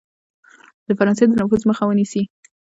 د فرانسې د نفوذ مخه ونیسي.